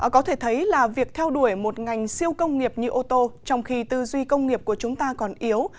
có thể thấy là việc theo đuổi một ngành siêu công nghiệp như ô tô trong khi tư duy công nghiệp của chúng ta còn yếu